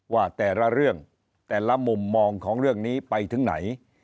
ว่าแต่ละเรื่องแต่ละมุมมองของเรื่องนี้ไปถึงไหน